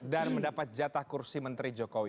dan mendapat jatah kursi menteri jokowi